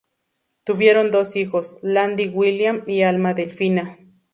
Tuvieron dos hijos: Landi William y Alma Delfina.